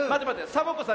サボ子さん